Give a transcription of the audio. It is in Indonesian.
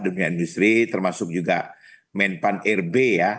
dunia industri termasuk juga menpan rb ya